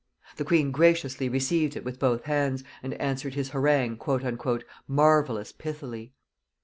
The queen graciously received it with both hands, and answered his harangue "marvellous pithily."